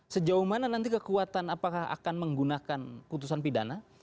sejauh mana nanti kekuatan apakah akan menggunakan putusan pidana